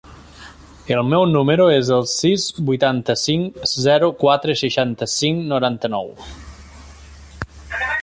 El meu número es el sis, vuitanta-cinc, zero, quatre, seixanta-cinc, noranta-nou.